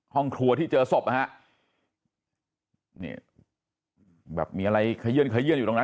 ห้องครัวที่เจอศพนะฮะนี่แบบมีอะไรเขยื่นขยื่นอยู่ตรงนั้น